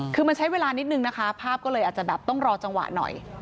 คือมันใช้เวลานิดนึงนะคะภาพก็เลยอาจจะแบบต้องรอจังหวะหน่อย